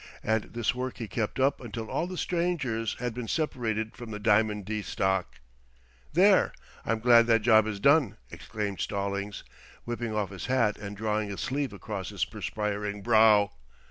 And this work he kept up until all the strangers had been separated from the Diamond D stock. "There, I'm glad that job is done," exclaimed Stallings, whipping off his hat and drawing a sleeve across his perspiring brow.